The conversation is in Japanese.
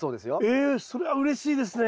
ええそれはうれしいですね！